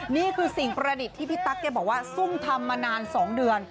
นี่คือสิ่งประดิษฐ์ที่พี่ตั๊กแกบอกว่าซุ่มทำมานาน๒เดือน